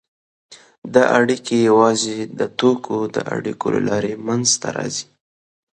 دا اړیکې یوازې د توکو د اړیکو له لارې منځته راځي